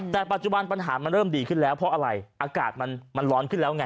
แต่ปัจจุบันปัญหามันเริ่มดีขึ้นแล้วเพราะอะไรอากาศมันร้อนขึ้นแล้วไง